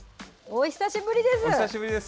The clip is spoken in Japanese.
お久しぶりです。